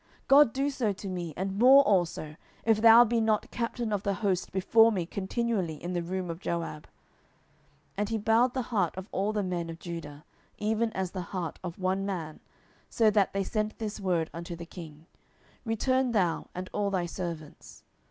God do so to me, and more also, if thou be not captain of the host before me continually in the room of Joab. 10:019:014 And he bowed the heart of all the men of Judah, even as the heart of one man; so that they sent this word unto the king, Return thou, and all thy servants.